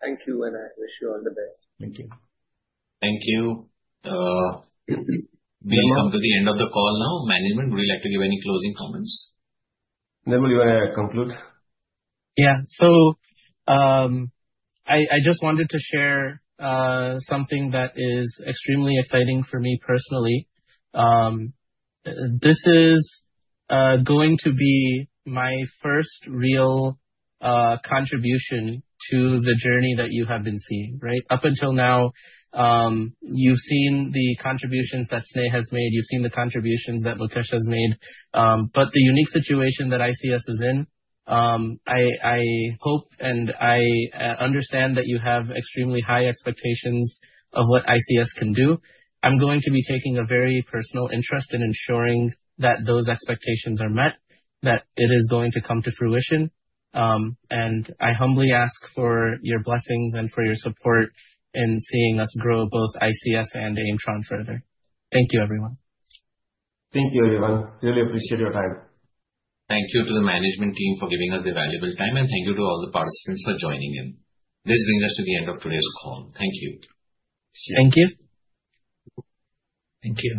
Thank you. I wish you all the best. Thank you. Thank you. We come to the end of the call now. Management, would you like to give any closing comments? Nirmal, you want to conclude? I just wanted to share something that is extremely exciting for me personally. This is going to be my first real contribution to the journey that you have been seeing. Up until now, you've seen the contributions that Sneh has made, you've seen the contributions that Mukesh has made. The unique situation that ICS is in, I hope and I understand that you have extremely high expectations of what ICS can do. I'm going to be taking a very personal interest in ensuring that those expectations are met, that it is going to come to fruition. I humbly ask for your blessings and for your support in seeing us grow both ICS and Aimtron further. Thank you, everyone. Thank you, everyone. Really appreciate your time. Thank you to the management team for giving us their valuable time, thank you to all the participants for joining in. This brings us to the end of today's call. Thank you. Thank you. Thank you.